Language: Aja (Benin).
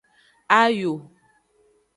Ayo.